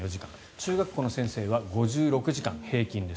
中学校の先生は５６時間平均です。